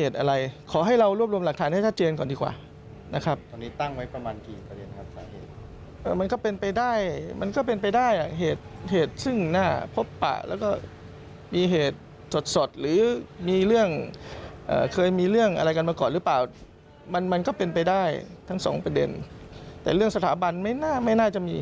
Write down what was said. แต่เรื่องสถาบันไม่น่าจะมี